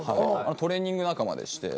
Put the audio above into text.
トレーニング仲間でして。